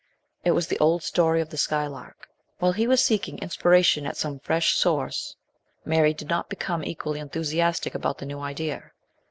It was the old story of the Skylark. While he was seeking inspiration at some fresh source, Mary did not become equally enthusiastic about the new idea.